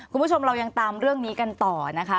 คุณผู้ชมเรายังตามเรื่องนี้กันต่อนะคะ